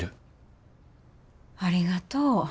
ありがとう。